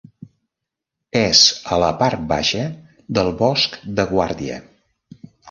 És a la part baixa del Bosc de Guàrdia.